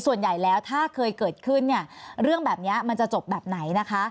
ส่วนใหญ่แล้วถ้าเคยเกิดขึ้นเนี่ยเรื่องแบบนี้มันจะจบแบบไหนนะคะ